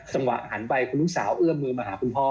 หันไปคุณลูกสาวเอื้อมมือมาหาคุณพ่อ